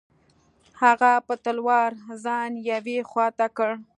هغه په تلوار ځان یوې خوا ته کړ.